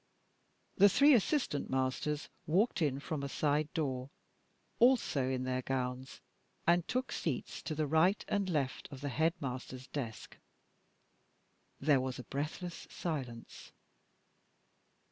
The three assistant masters walked in from a side door, also in their gowns, and took seats to the right and left of the headmaster's desk. There was a breathless silence.